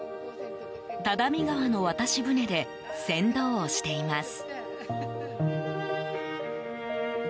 只見川の渡し船で船頭をしています。